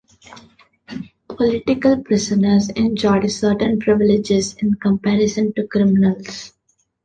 Political prisoners enjoyed certain privileges in comparison to criminals.